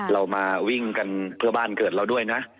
เรามาวิ่งกันเพื่อบ้านเกิดเราด้วยนะ